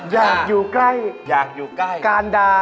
อยากอยู่ใกล้กาลดา